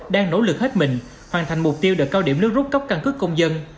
đang nỗ lực hết mình hoàn thành mục tiêu đợt cao điểm nước rút cấp căn cứ công dân